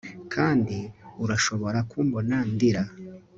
Kandi urashobora kumbona ndira